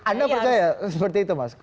anda percaya seperti itu mas